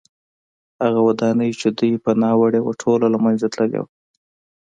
هغه ودانۍ چې دوی پناه وړې وه ټوله له منځه تللې وه